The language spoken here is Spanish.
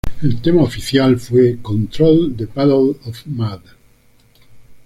El tema oficial fue "Control", de Puddle of Mudd.